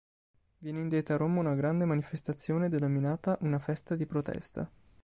Viene indetta a Roma una grande manifestazione denominata "Una festa di protesta".